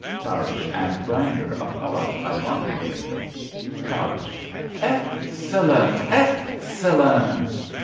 (Tarrasch and Brander applaud ironically.) Tarrasch. Excellent! Excellent!